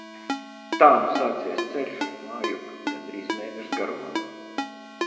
Tā nu sācies ceļš mājup gandrīz mēneša garumā.